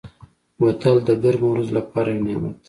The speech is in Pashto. بوتل د ګرمو ورځو لپاره یو نعمت دی.